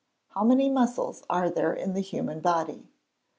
_How many muscles are there in the human body?